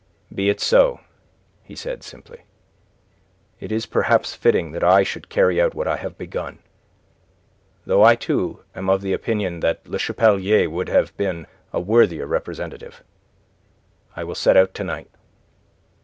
"Be it so," he said, simply. "It is perhaps fitting that I should carry out what I have begun, though I too am of the opinion that Le Chapelier would have been a worthier representative. I will set out to night."